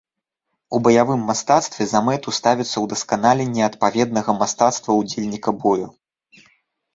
У баявым мастацтве за мэту ставіцца ўдасканаленне адпаведнага мастацтва ўдзельніка бою.